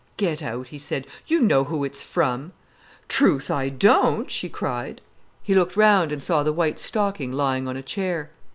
"Get out," he said. "You know who it's from." "Truth, I don't," she cried. He looked round, and saw the white stocking lying on a chair.